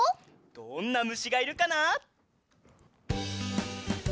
どんなむしがいるかな？